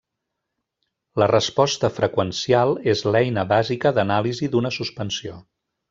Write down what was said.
La resposta freqüencial és l'eina bàsica d'anàlisi d'una suspensió.